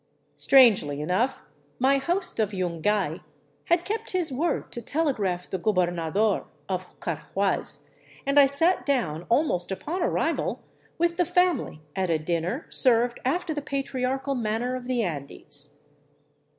Strangely enough, my host of Yungay had kept his word to telegraph the gobernador of 301 VAGABONDING DOWN THE ANDES Carhuaz, and I sat down almost upon arrival with the family at a din ner served after the patriarchal manner of the Andes.